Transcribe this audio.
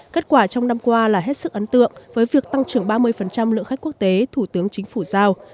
kết quả trong năm qua là hết sức ấn tượng với việc tăng trưởng ba mươi lượng khách quốc tế thủ tướng chính phủ giao